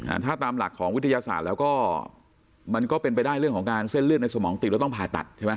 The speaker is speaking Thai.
ถ้าตามหลักของวิทยาศาสตร์แล้วก็มันก็เป็นไปได้เรื่องของการเส้นเลือดในสมองติดแล้วต้องผ่าตัดใช่ไหม